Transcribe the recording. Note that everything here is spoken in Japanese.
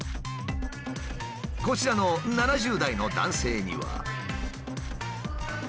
こちらの７０代の男性には。